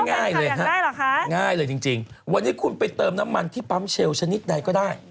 ง่ายเลยฮะง่ายเหรอคะง่ายเลยจริงวันนี้คุณไปเติมน้ำมันที่ปั๊มเชลลชนิดใดก็ได้